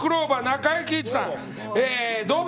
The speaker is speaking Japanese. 中井貴一さん